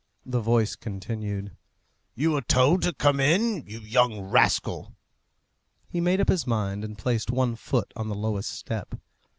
The voice continued, "You are told to come in, you young rascal." He made up his mind, and placed one foot on the lowest step.